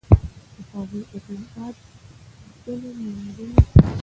د هغوی اطلاعات دونه نیمګړي دي.